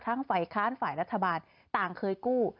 ฝ่ายค้านฝ่ายรัฐบาลต่างเคยกู้